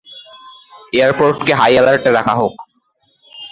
এয়ারপোর্টকে high অ্যালার্টে রাখা হোক।